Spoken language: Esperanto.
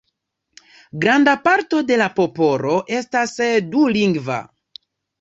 Granda parto de la popolo estas dulingva.